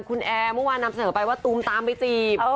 คุณแอร์เมื่อวานนำเสนอไปว่าตูมตามไปจีบ